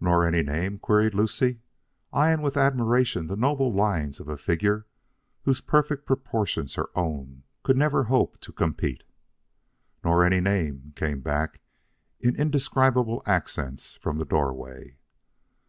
"Nor any name?" queried Lucie, eying with admiration the noble lines of a figure with whose perfect proportions her own could never hope to compete. "Nor any name," came back in indescribable accents from the doorway.